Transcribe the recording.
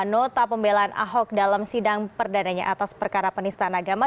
nota pembelaan ahok dalam sidang perdananya atas perkara penistaan agama